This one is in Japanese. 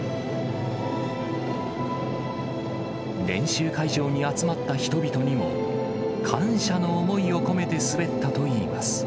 練習会場に集まった人々にも感謝の思いを込めて滑ったといいます。